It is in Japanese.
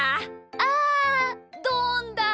あどんだ！